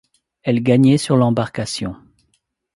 Elle gagnait sur l’embarcation.